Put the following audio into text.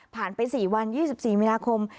ผ่านไป๔วัน๒๔มีนาคม